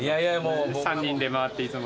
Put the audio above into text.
３人で回っていつも。